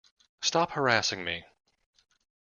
Stop harassing me!